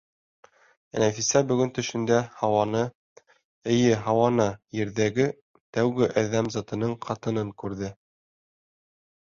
Ә Нәфисә бөгөн төшөндә Һауаны, эйе Һауаны, Ерҙәге тәүге әҙәм затының ҡатынын, күрҙе.